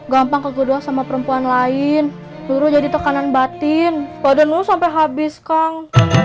gampang kegedean sama perempuan lain nur jadi tekanan batin badan lu sampai habis kang